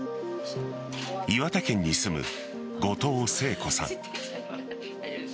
岩手県に住む後藤誠子さん。